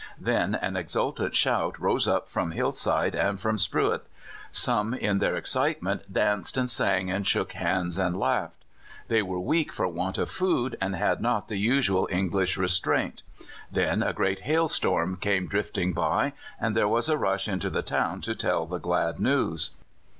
Then an exultant shout rose up from hill side and from spruit; some in their excitement danced and sang and shook hands and laughed. They were weak for want of food, and had not the usual English restraint. Then a great hailstorm came drifting by, and there was a rush into the town to tell the glad news.